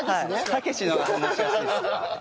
「たけし」の方が反応しやすいです。